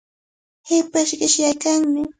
Hipashqa qishyaykarqanmi.